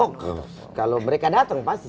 oh kalau mereka datang pasti